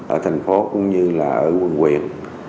ở thành phố cũng như là ở quận quyền